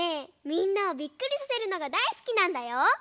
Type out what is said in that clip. みんなをびっくりさせるのがだいすきなんだよ。